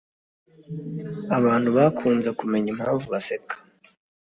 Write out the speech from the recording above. Abantu bakunze kumenya impamvu baseka.